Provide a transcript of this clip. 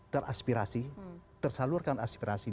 teraspirasi tersalurkan aspirasi